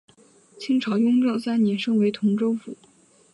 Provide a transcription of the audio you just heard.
清朝雍正三年升为同州府。